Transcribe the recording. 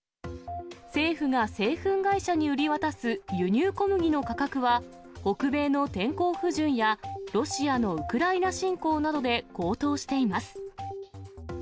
政府が製粉会社に売り渡す輸入小麦の価格は、北米の天候不順や、ロシアのウクライナ侵攻などで高騰しています。